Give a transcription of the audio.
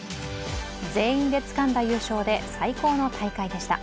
全員でつかんだ優勝で最高の大会でした。